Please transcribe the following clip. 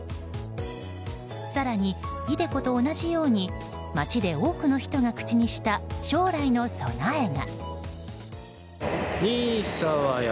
更に、ｉＤｅＣｏと同じように街で多くの人が口にした将来の備えが。